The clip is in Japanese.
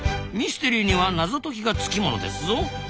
ミステリーには謎解きが付き物ですぞ。